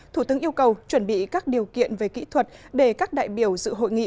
thủ tướng yêu cầu chuẩn bị các điều kiện về kỹ thuật để các đại biểu dự hội nghị